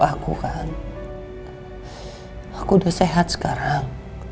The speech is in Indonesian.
aku udah sehat sekarang